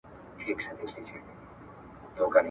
مجاهد د حق په لاره کي ستړی سو.